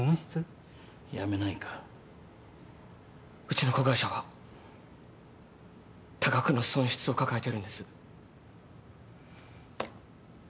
うちの子会社は多額の損失を抱えてるんです。